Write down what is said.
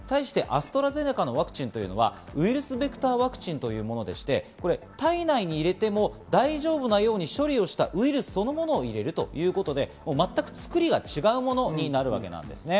対してアストラゼネカのワクチンというのはウイルスベクターワクチンというもので、体内に入れても大丈夫なように処理をしたウイルスそのものを入れるということで全く作りが違うものになるわけです。